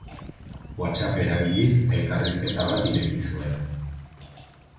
WhatsApp erabiliz elkarrizketa bat ireki zuen.